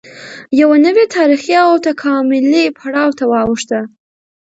یوه نوې تارېخي او تکاملي پړاو ته واوښته